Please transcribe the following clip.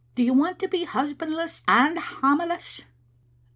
Do you want to be husbandless and hameless?"